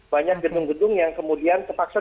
banyak gedung gedung yang kemudian terpaksa